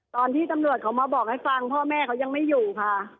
ตอนที่ตำรวจเขามาบอกให้ฟังพ่อแม่เขายังไม่อยู่ค่ะ